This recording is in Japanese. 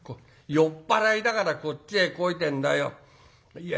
酔っ払いだからこっちへ来いてんだよ。いや」。